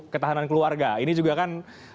ketahanan keluarga ini juga kan